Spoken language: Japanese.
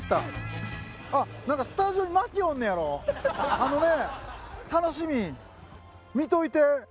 あのね。